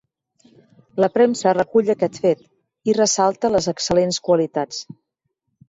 La premsa recull aquest fet i ressalta les excel·lents qualitats.